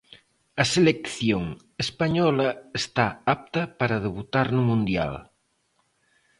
A selección española está apta para debutar no mundial.